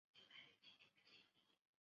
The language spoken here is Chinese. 降级徐州帅府经历官。